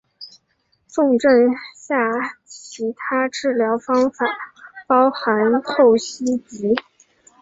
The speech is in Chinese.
重症下其他治疗方法包含透析及。